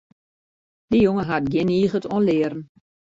Dy jonge hat gjin niget oan learen.